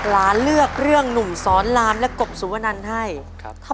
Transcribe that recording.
เลือกเรื่องหนุ่มสอนรามและกบสุวนันให้ครับ